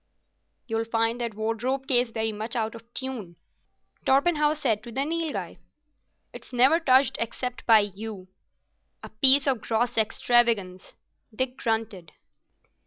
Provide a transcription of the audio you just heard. "You'll find that wardrobe case very much out of tune," Torpenhow said to the Nilghai. "It's never touched except by you." "A piece of gross extravagance," Dick grunted.